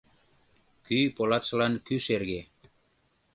Кӱ полатшылан кӱ шерге